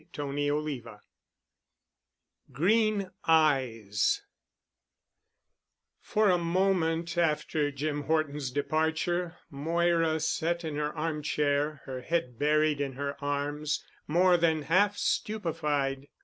*CHAPTER XV* *GREEN EYES* For a moment after Jim Horton's departure Moira sat in her arm chair, her head buried in her arms, more than half stupefied.